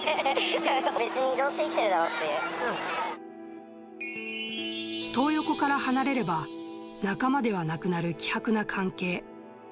別に、トー横から離れれば、仲間ではなくなる希薄な関係。